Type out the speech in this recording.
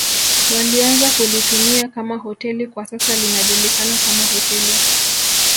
Walianza kulitumia kama hoteli kwa sasa linajulikana kama hoteli